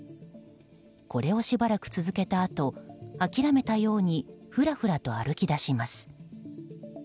これをしばらく続けたあと諦めたようにふらふらと歩き出します。